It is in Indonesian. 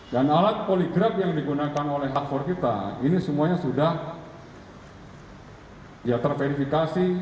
dan alat poligraf yang digunakan oleh harvard kita ini semuanya sudah ya terverifikasi